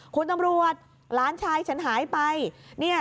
คุณตำรวจหลานชายฉันหายไปเนี่ย